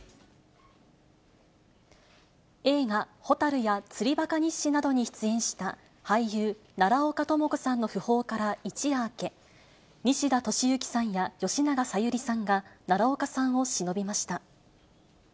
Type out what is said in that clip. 映画、ホタルや釣りバカ日誌などに出演した、俳優、奈良岡朋子さんの訃報から一夜明け、西田敏行さんや吉永小百合さんが奈良岡さんをしのびました。